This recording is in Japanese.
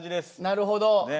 なるほど。